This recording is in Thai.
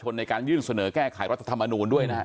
ในการยื่นเสนอแก้ไขรัฐธรรมนูลด้วยนะฮะ